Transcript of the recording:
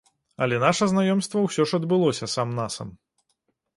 Але наша знаёмства ўсё ж адбылося сам на сам.